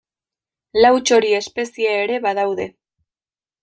Lau txori espezie ere badaude.